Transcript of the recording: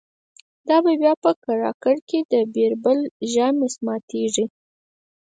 دا به بیا په کړاکړ کی د« بیربل» ژامی ماتیږی